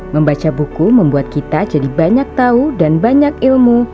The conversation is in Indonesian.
membaca buku membuat kita jadi banyak tahu dan banyak ilmu